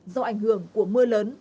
do ảnh hưởng của mưa lớn